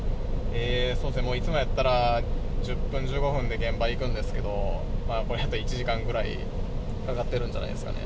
そうですね、もういつもやったら、１０分、１５分で現場行くんですけど、これだと１時間ぐらいかかってるんじゃないですかね。